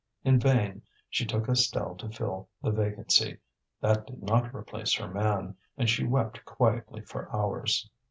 In vain she took Estelle to fill the vacancy; that did not replace her man, and she wept quietly for hours.